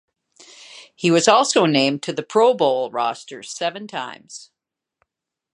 He was also named to the Pro Bowl roster seven times.